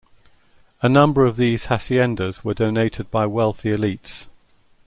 A number of these haciendas were donated by wealthy elites.